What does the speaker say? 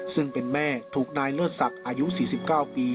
ซึ่งเป็นแม่ถูกนายเลิศศักดิ์อายุ๔๙ปี